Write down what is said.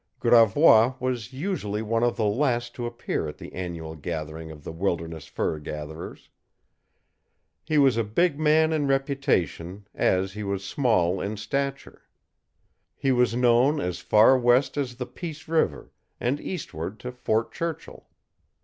Gravois was usually one of the last to appear at the annual gathering of the wilderness fur gatherers. He was a big man in reputation, as he was small in stature. He was known as far west as the Peace River, and eastward to Fort Churchill.